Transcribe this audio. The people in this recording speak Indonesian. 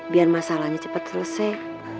biar masalahnya cepet selesai